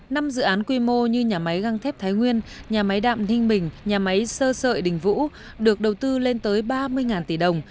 năm dự án quy mô như nhà máy găng thép thái nguyên nhà máy đạm ninh bình nhà máy sơ sợi đình vũ được đầu tư lên tới ba mươi tỷ đồng